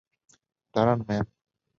দাঁড়ান, ম্যাম।